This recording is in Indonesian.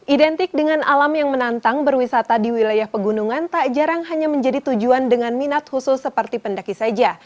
identik dengan alam yang menantang berwisata di wilayah pegunungan tak jarang hanya menjadi tujuan dengan minat khusus seperti pendaki saja